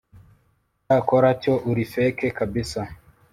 cyakora cyo uri feke kabisa